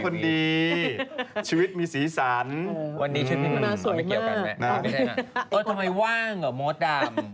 แม่คนดีชีวิตมีสีสันมาสวยมากนี่ใช่ไหมตัวทำไมว่างเหรอโมดำ